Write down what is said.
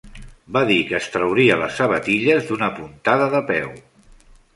Va dir que es trauria les sabatilles d'una puntada de peu.